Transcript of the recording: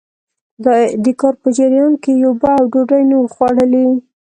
د کار په جريان کې يې اوبه او ډوډۍ نه وو خوړلي.